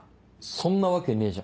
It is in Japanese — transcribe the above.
そんなわけねえじゃん。